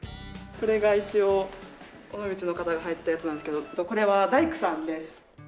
これが一応尾道の方がはいてたやつなんですけどこれは大工さんです。